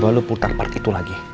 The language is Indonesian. coba lu putar part itu lagi